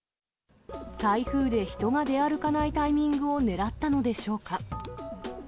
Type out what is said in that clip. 台風で人が出歩かないタイミングをねらったのでしょうか。